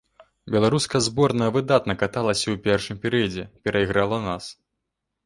Беларуская зборная выдатна каталася ў першым перыядзе, перайграла нас.